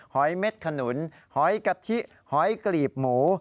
อยเม็ดขนุนหอยกะทิหอยกลีบหมู